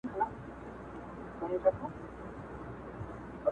نه ماموند او نه خټک نه یوسفزی یم